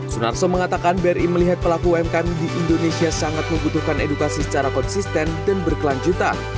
sunarso mengatakan bri melihat pelaku umkm di indonesia sangat membutuhkan edukasi secara konsisten dan berkelanjutan